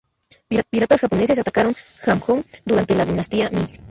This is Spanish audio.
Piratas japoneses atacaron Hangzhou durante la dinastía Ming.